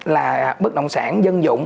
là bất động sản dân dụng